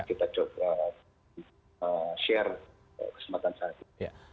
kita coba share kesempatan saat ini